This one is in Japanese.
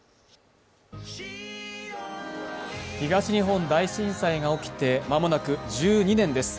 東日本大震災が起きて間もなく１２年です。